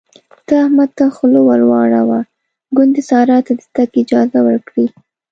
ته احمد ته خوله ور واړوه ګوندې سارا ته د تګ اجازه ورکړي.